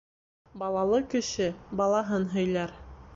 Балалы кеше балаһын һөйләр.